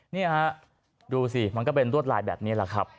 นี่ฮะดูสิมันก็เป็นรวดลายแบบนี้แหละครับ